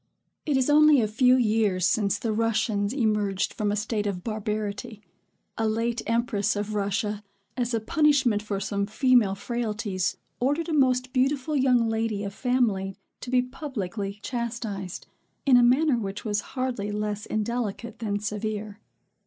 It is only a few years since the Russians emerged from a state of barbarity. A late empress of Russia, as a punishment for some female frailties, ordered a most beautiful young lady of family to be publicly chastised, in a manner which was hardly less indelicate than severe.